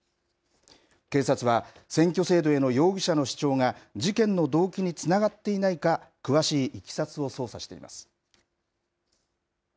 警察は、選挙制度への容疑者の主張が、事件の動機につながっていないか、詳しいいきさつを捜査しています。